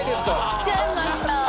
来ちゃいました！